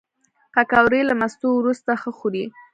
پکورې له مستو وروسته ښه خوري